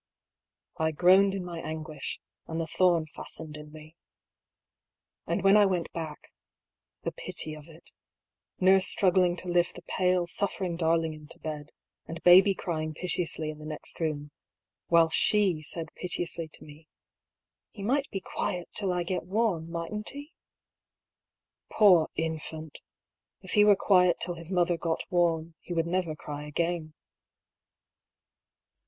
I " groaned in my anguish, and the thorn fastened in me." And when I went back — the pity of it — Nurse strug gling to lift the pale, suffering darling into bed, and baby crying piteously in the next room ; while she said piteously to me, " He might be quiet till I get warm, mightn't he ?" Poor infant ! if he were quiet till his mother got warm, he would never cry again.